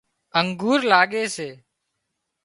انگورلاڳي سي